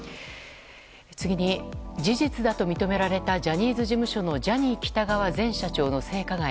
次に、事実だと認められたジャニーズ事務所のジャニー喜多川前社長の性加害。